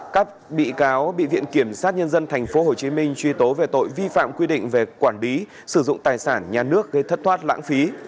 các bị cáo bị viện kiểm sát nhân dân tp hcm truy tố về tội vi phạm quy định về quản lý sử dụng tài sản nhà nước gây thất thoát lãng phí